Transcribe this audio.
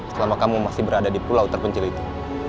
selama kamu masih berada di pulau terpencil itu